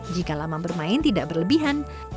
jika lama bermain tidak berlebihan